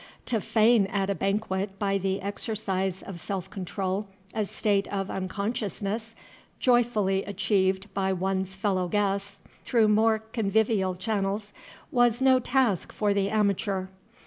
To feign at a banquet by the exercise of self control a state of unconsciousness, joyfully achieved by one's fellow guests through more convivial channels, was no task for the amateur.